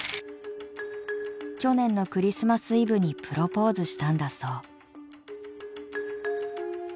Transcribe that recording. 去年のクリスマスイブにプロポースしたんだそう。